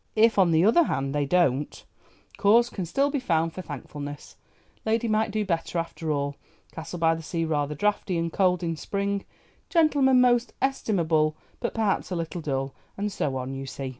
If, on the other hand, they don't, cause can still be found for thankfulness—lady might do better after all, castle by the sea rather draughty and cold in spring, gentlemen most estimable but perhaps a little dull, and so on, you see."